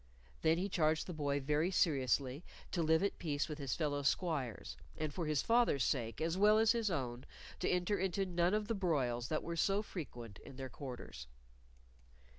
Then he charged the boy very seriously to live at peace with his fellow squires, and for his father's sake as well as his own to enter into none of the broils that were so frequent in their quarters.